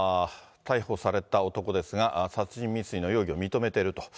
逮捕された男ですが、殺人未遂の容疑を認めていると。